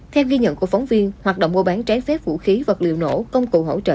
theo ghi nhận của phóng viên hoạt động mua bán trái phép vũ khí vật liệu nổ công cụ hỗ trợ